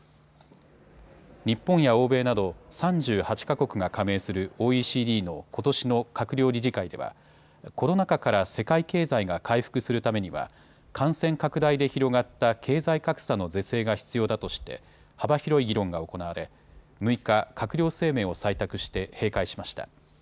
日本や欧米など３８か国が加盟するＯＥＣＤのことしの閣僚理事会ではコロナ禍から世界経済が回復するためには感染拡大で広がった経済格差の是正が必要だとして幅広い議論が行われ６日、閣僚声明を採択して閉会しました。